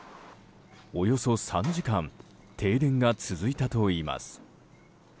およそ３時間停電が続いたといいます。